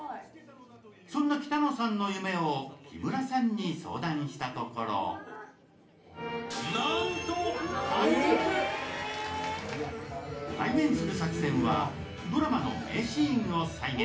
そんな北野さんの夢を木村さんに相談したところ対面する作戦は、ドラマの名シーンを再現。